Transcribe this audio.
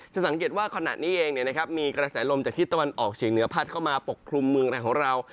สังเกตว่าขณะนี้เองมีกระแสลมจากทิศตะวันออกเฉียงเหนือพัดเข้ามาปกคลุมเมืองไทยของเรา